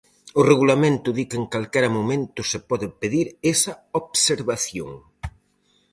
O Regulamento di que en calquera momento se pode pedir esa observación.